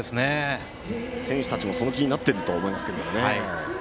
選手たちも、その気になってると思いますけれどもね。